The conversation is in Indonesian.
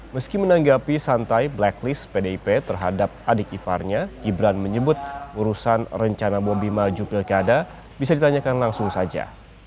meski menanggapi santai blacklist pdip terhadap adik iparnya gibran menyebut urusan rencana bobi maju pilkada bisa ditanyakan langsung saja